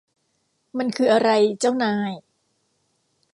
มันคืออะไร เจ้านาย